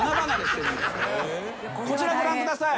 こちらご覧ください。